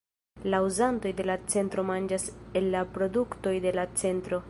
La uzantoj de la centro manĝas el la produktoj de la centro.